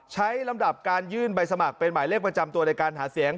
ลำดับการยื่นใบสมัครเป็นหมายเลขประจำตัวในการหาเสียง